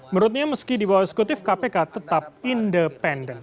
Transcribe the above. menurutnya meski di bawah eksekutif kpk tetap independen